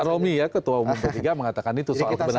pak romi ya ketua umum pertiga mengatakan itu